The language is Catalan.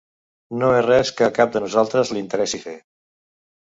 No és res que a cap de nosaltres li interessi fer.